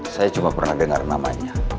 saya cuma pernah dengar namanya